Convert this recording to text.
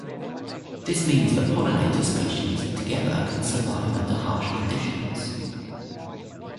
This means that pollinator species together can survive under harsh conditions.